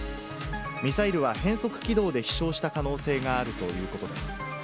ミサイルは変則軌道で飛しょうした可能性があるということです。